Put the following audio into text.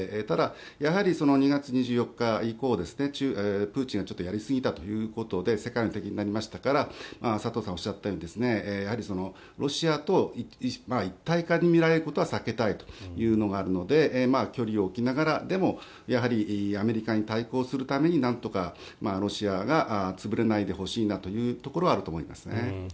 ただ、やはり２月２４日以降プーチンがやりすぎたということで世界の敵になりましたから佐藤さんがおっしゃったようにやはり、ロシアと一体化に見られることは避けたいというのがあるので距離を置きながらでも、アメリカに対抗するためになんとかロシアが潰れないでほしいなというところはあると思いますね。